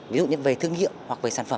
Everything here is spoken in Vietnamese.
ví dụ như về thương hiệu hoặc về sản phẩm